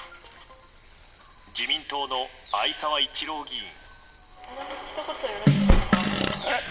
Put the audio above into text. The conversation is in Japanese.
自民党の逢沢一郎議員。